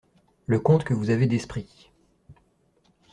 Le comte que vous avez d'esprit!